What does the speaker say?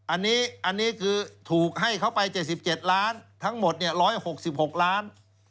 อันนี้คือถูกให้เขาไป๗๗ล้านทั้งหมด๑๖๖ล้าน